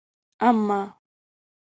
اما